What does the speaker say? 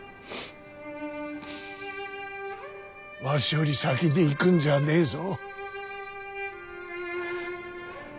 わしより先に逝くんじゃねえぞ。